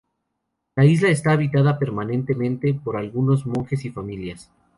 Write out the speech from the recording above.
La isla está habitada permanentemente por algunos monjes y familias.